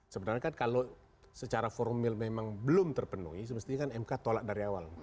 sebenarnya kan kalau secara formil memang belum terpenuhi semestinya kan mk tolak dari awal